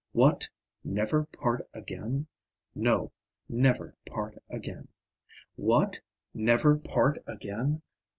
What! never part again? No, never part again. What! never part again?